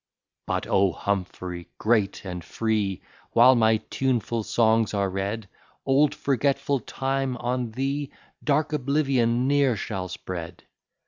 But, O Humphry, great and free, While my tuneful songs are read, Old forgetful Time on thee Dark oblivion ne'er shall spread.